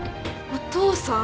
お父さん？